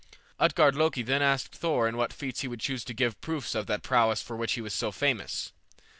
Utgard Loki then asked Thor in what feats he would choose to give proofs of that prowess for which he was so famous.